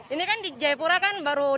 ini kan di jayapura kan baru